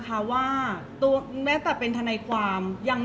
เพราะว่าสิ่งเหล่านี้มันเป็นสิ่งที่ไม่มีพยาน